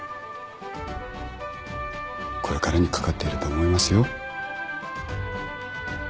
これからにかかっていると思いますよ。